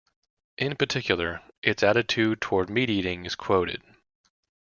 In particular, its attitude toward meat eating is quoted.